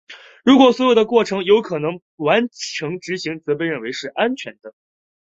如果所有过程有可能完成执行被认为是安全的。